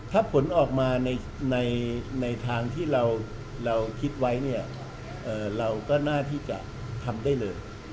ถ้าผลออกมาในทางที่เราคิดไว้เนี่ยเราก็น่าที่จะทำได้เลย